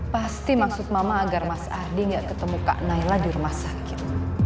pasti maksud mama agar mas ardi gak ketemu kak naila di rumah sakit